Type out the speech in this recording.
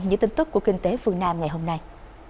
những tin tức của kinh tế phương nam ngày hôm nay